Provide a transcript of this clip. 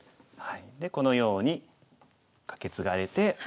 でこのようにカケツガれて。